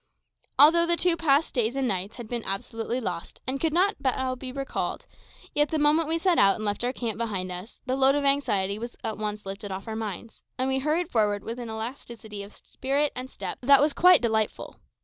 Although the two past days and nights had been absolutely lost, and could not now be recalled, yet the moment we set out and left our camp behind us, the load of anxiety was at once lifted off our minds, and we hurried forward with an elasticity of step and spirit that was quite delightful.